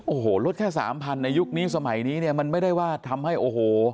โอ้โหลดแค่สามพันในยุคนี้สมัยนี้เนี่ยมันไม่ได้ว่าทำให้โอ้โห